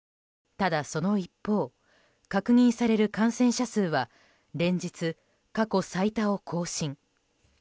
ただ、その一方確認される感染者数は連日、過去最多を更新。